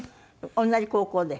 同じ高校で？